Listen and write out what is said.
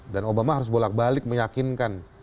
dan obama harus bolak balik meyakinkan